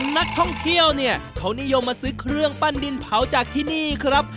นักท่องเที่ยวเนี่ยเขานิยมมาซื้อเครื่องปั้นดินเผาจากที่นี่ครับ